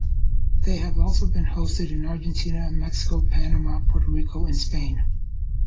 They have also been hosted in Argentina, Mexico, Panama, Puerto Rico, and Spain.